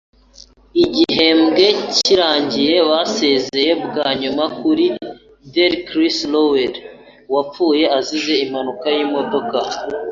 Igihembwe kirangiye basezeye bwa nyuma kuri Dell (Chris Lowell) wapfuye azize impanuka y'imodoka.